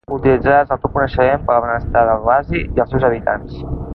Utilitzaràs el teu coneixement per al benestar de l'oasi i els seus habitants.